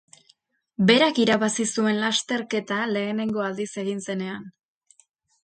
Berak irabazi zuen lasterketa lehenengo aldiz egin zenean.